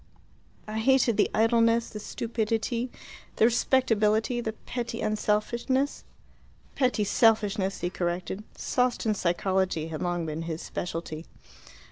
"I hated the idleness, the stupidity, the respectability, the petty unselfishness." "Petty selfishness," he corrected. Sawston psychology had long been his specialty.